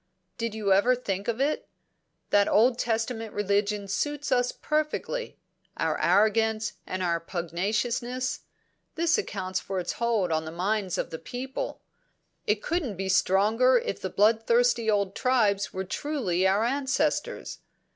Did you ever think of it? That Old Testament religion suits us perfectly our arrogance and our pugnaciousness; this accounts for its hold on the mind of the people; it couldn't be stronger if the bloodthirsty old Tribes were truly our ancestors.